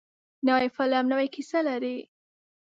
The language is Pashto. نوی فلم نوې کیسه لري